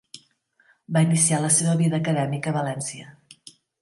Va iniciar la seva vida acadèmica a València.